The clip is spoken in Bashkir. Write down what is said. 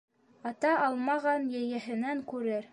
Ата алмаған йәйәһенән күрер.